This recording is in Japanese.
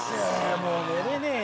もう寝れねえよ。